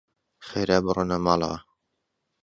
خێرا بڕۆنە ماڵەوە.